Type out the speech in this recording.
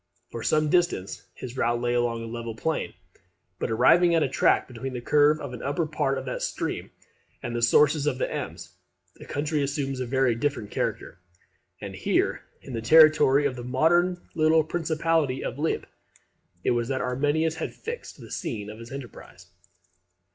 For some distance his route lay along a level plain; but on arriving at the tract between the curve of the upper part of that stream and the sources of the Ems, the country assumes a very different character; and here, in the territory of the modern little principality of Lippe, it was that Arminius had fixed the scene of his enterprise.